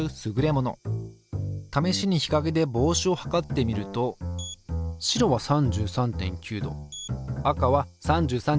ためしにひかげで帽子を測ってみると白は３３．９℃赤は３３．６℃。